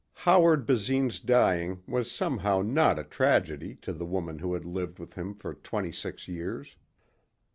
Howard Basine's dying was somehow not a tragedy to the woman who had lived with him for twenty six years.